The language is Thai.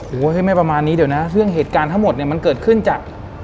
โอ้โหไม่ประมาณนี้เดี๋ยวนะเรื่องเหตุการณ์ทั้งหมดเนี่ยมันเกิดขึ้นจาก